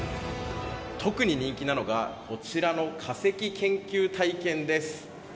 特に人気なのがこちらの化石研究体験です。